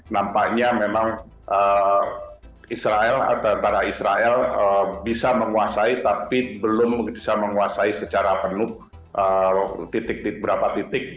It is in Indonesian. nampaknya memang israel atau antara israel bisa menguasai tapi belum bisa menguasai secara penuh titik titik berapa titik